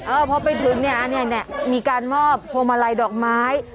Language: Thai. เออเพราะไปถึงเนี่ยมีการมอบโพรมะไรดอกไม้